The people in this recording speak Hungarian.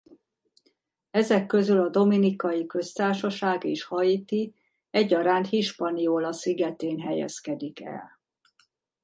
Ezek közül a Dominikai Köztársaság és Haiti egyaránt Hispaniola szigetén helyezkedik el.